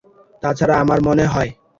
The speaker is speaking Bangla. তা ছাড়া আমার মনে হয়।